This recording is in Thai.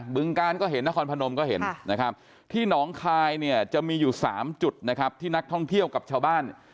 ึงการก็เห็นนครพนมก็เห็นนะครับที่หนองคายเนี่ยจะมีอยู่๓จุดนะครับที่นักท่องเที่ยวกับชาวบ้าน